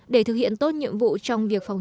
để thực hiện tốt nhiệm vụ trong việc phòng